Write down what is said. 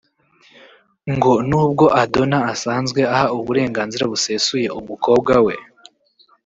ngo n’ubwo adonna asanzwe aha uburenganzira busesuye umukobwa we